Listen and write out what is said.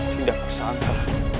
tidak aku sangka